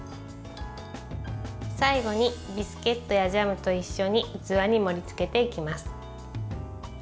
最後にビスケットやジャムと一緒に器に盛りつけていきます。